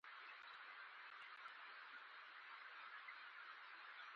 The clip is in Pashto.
لکه سیماب په حرکت کې وي.